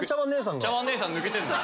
茶碗姉さん抜けてんのよ。